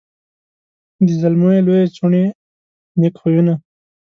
د زلمو یې لويي څوڼي نېک خویونه